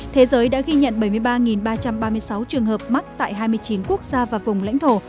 thế giới đã ghi nhận bảy mươi ba ba trăm ba mươi sáu trường hợp mắc tại hai mươi chín quốc gia và vùng lãnh thổ